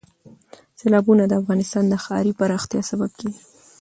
سیلابونه د افغانستان د ښاري پراختیا سبب کېږي.